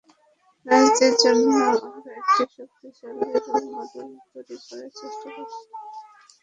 নারীদের জন্য আমরা একটা শক্তিশালী রোল মডেল তৈরি করার চেষ্টা করছি।